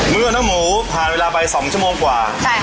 เมื่อน้องหมูผ่านเวลาไปสองชั่วโมงกว่า